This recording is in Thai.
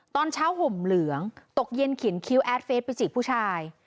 ตอนเช้าห่มเหลืองตกเย็นเข็นคิ้วแอดเฟสไปจีบผู้ชาย